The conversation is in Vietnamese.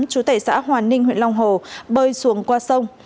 chú tể xã hoà ninh huyện long hồ bơi xuống qua sông